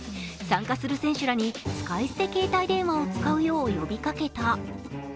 参加する選手らに使い捨て携帯電話を使うよう呼びかけた。